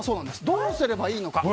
どうすればいいのか。